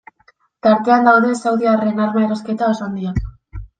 Tartean daude saudiarren arma erosketa oso handiak.